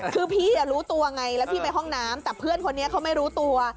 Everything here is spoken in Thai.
คือพี่รู้ตัวไงแล้วพี่ไปห้องน้ำแต่เพื่อนคนนี้เขาไม่รู้ตัว